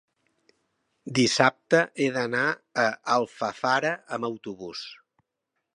Dissabte he d'anar a Alfafara amb autobús.